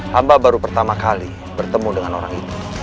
hamba baru pertama kali bertemu dengan orang itu